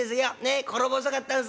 心細かったんす兄貴」。